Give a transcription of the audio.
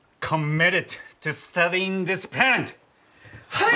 はい！